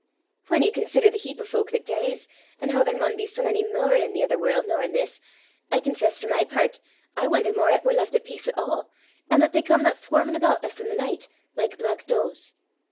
Whan ye consider the heap o' folk that dees, an' hoo there maun be sae mony mair i' the ither warl' nor i' this, I confess for my pairt I won'er mair 'at we're left at peace at a', an' that they comena swarmin' aboot 's i' the nicht, like black doos.